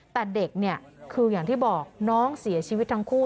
แต่เด็กเนี่ยคืออย่างที่บอกน้องเสียชีวิตทั้งคู่